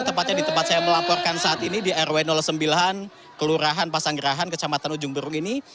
tepatnya di tempat saya melaporkan saat ini di rw sembilan kelurahan pasanggerahan kecamatan ujung berung ini